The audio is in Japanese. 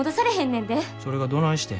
それがどないしてん。